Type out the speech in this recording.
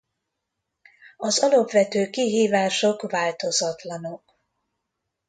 Az alapvető kihívások változatlanok.